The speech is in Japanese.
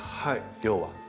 量は。